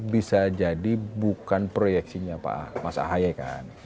bisa jadi bukan proyeksinya pak mas ahaye kan